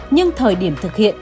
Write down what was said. nhưng thời điểm thực hiện